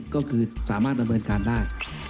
ก็คือสามารถระเบิดการได้